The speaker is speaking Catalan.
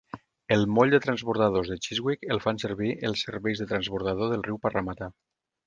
El moll de transbordadors de Chiswick el fan servir els serveis de transbordador del riu Parramatta.